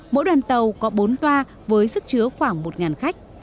mỗi đoàn tàu có bốn toa với sức chứa khoảng một khách